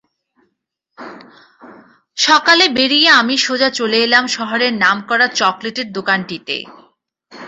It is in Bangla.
সকালে বেরিয়ে আমি সোজা চলে এলাম শহরের নাম করা চকলেটের দোকানটিতে।